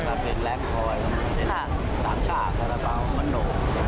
การเปลี่ยนแรมคอยล์สามฉากระเป๋ามันโห